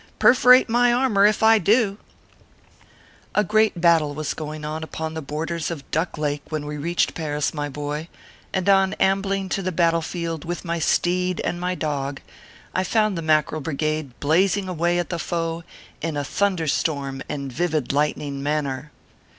Perforate my armor, if I do !" A great battle was going on upon the borders of Duck Lake when we reached Paris, my boy, and on ambling to the battle field with my steed and my dog, I found the Mackerel Brigade blazing away at the foe in a thunder storm and vivid lightning manner.